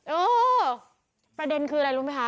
เออประเด็นคืออะไรรู้ไหมคะ